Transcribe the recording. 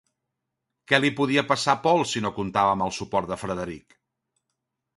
Què li podia passar a Paul si no comptava amb el suport de Frederic?